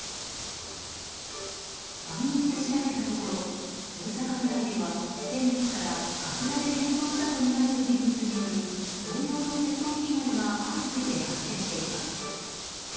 番組で調べたところ大阪府内では先月からかつらで変装したとみられる人物による同様の窃盗被害が相次いで発生しています。